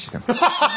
ハハハッ！